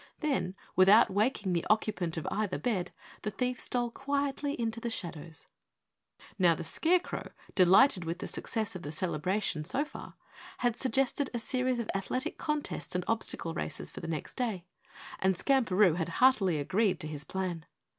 Then, without waking the occupant of either bed, the thief stole quietly into the shadows. Now the Scarecrow, delighted with the success of the celebration so far, had suggested a series of athletic contests and obstacle races for next day and Skamperoo had heartily agreed to his plans.